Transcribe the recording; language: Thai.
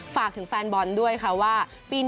ฝากถึงแฟนบอลด้วยค่ะว่าปี๑